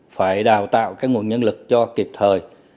phải đào tạo cái nguồn nhân lực cho kịp thời